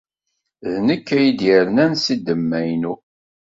D nekk ay d-yernan seg ddemma-inu.